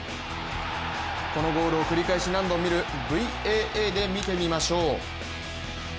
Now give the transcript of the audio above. このゴールを繰り返し何度も見るＶＡＡで見てみましょう。